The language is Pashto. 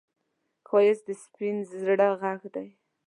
ښایست د سپين زړه غږ دی